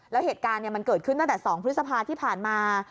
แล้วเหตุการณ์มันเกิดขึ้นตั้งแต่๒พฤษภาที่ผ่านมา